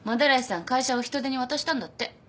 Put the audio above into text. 斑井さん会社を人手に渡したんだって。